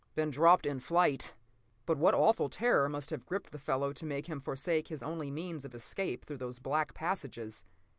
Been dropped in flight! But what awful terror must have gripped the fellow to make him forsake his only means of escape through those black passages?